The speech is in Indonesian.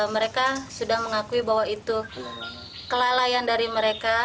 mereka sudah mengakui bahwa itu kelalaian dari mereka